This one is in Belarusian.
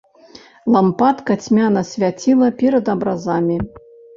Лампадка цьмяна свяціла перад абразамі.